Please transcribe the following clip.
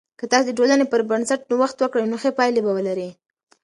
که تاسې د ټولنې پر بنسټ نوښت وکړئ، نو ښه پایلې به لرئ.